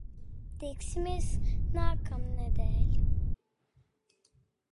Tiksimies nākamnedēļ!